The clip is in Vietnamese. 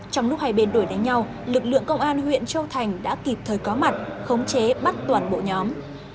trong lúc hai bên đuổi đánh nhau lực lượng công an huyện châu thành đã kịp thời có mặt khống chế bắt toàn bộ nhóm